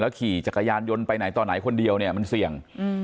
แล้วข่ายะจะไกลยนต์ไปไหนตัวไหน๑๒คนเดียวมันเสี่ยง